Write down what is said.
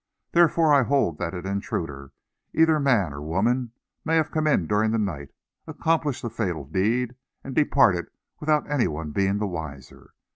Therefore, I hold that an intruder, either man or woman, may have come in during the night, accomplished the fatal deed, and departed without any one being the wiser.